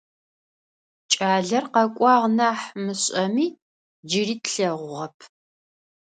Кӏалэр къэкӏуагъ нахь мышӏэми, джыри тлъэгъугъэп.